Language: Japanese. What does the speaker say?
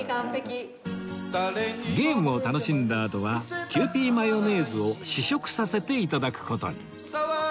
ゲームを楽しんだあとはキユーピーマヨネーズを試食させて頂く事に